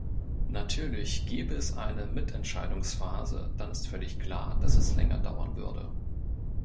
Natürlich, gäbe es eine Mitentscheidungsphase, dann ist völlig klar, dass es länger dauern würde.